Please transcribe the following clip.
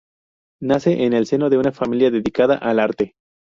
Nace en el seno de una familia dedicada al arte.